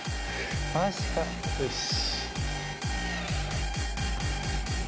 マジかよし。